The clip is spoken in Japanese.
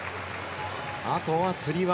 あとはつり輪